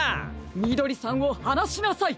みどりさんをはなしなさい！